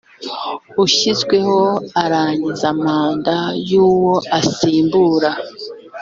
ushyizweho arangiza manda y uwo asimbuye